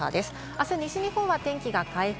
あす西日本は天気が回復。